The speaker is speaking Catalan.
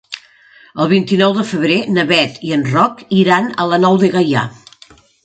El vint-i-nou de febrer na Bet i en Roc iran a la Nou de Gaià.